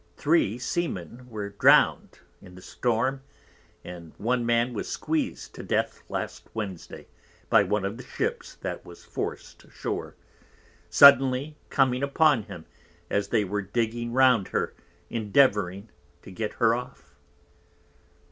Three Seamen were drowned in the Storm, and one Man was squeez'd to Death last Wednesday, by one of the Ships that was forc'd Ashoar, suddenly coming upon him, as they were digging round her, endeavouring to get her off.